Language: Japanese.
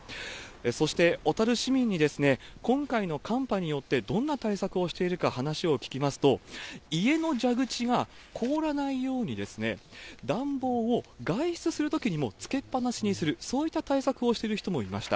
そして、小樽市民に今回の寒波によってどんな対策をしているか話を聞きますと、家の蛇口が凍らないように、暖房を外出するときにもつけっぱなしにする、そういった対策をしている人もいました。